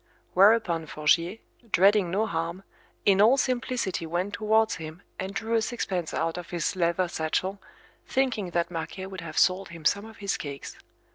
Whereupon Forgier, dreading no harm, in all simplicity went towards him, and drew a sixpence out of his leather satchel, thinking that Marquet would have sold him some of his cakes.